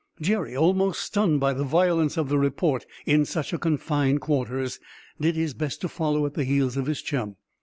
Jerry, almost stunned by the violence of the report in such confined quarters, did his best to follow at the heels of his chum.